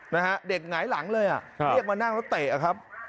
นะฮะเด็กหงายหลังเลยอ่ะเรียกมานั่งแล้วเตะอะครับ